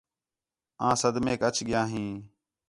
آں صدمیک اَچ ڳِیا ہیں